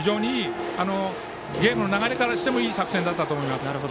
ゲームの流れからしてもいい作戦だったと思います。